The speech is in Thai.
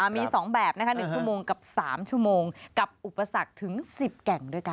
มี๒แบบ๑ชั่วโมงกับ๓ชั่วโมงกับอุปสรรคถึง๑๐แก่งด้วยกัน